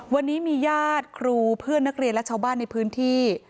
วันนี้มีญาติครูเพื่อนนักเรียนและชาวบ้านในพื้นที่